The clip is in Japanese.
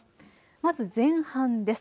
まず前半です。